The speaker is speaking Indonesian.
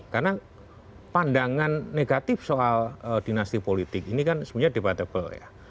karena pandangan negatif soal dinasti politik ini kan sebenarnya debatable ya